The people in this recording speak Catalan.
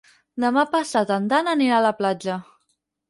Demà passat en Dan anirà a la platja.